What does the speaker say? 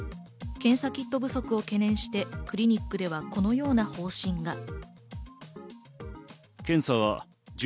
検査キット不足を懸念して、クリニックではこのような方針が。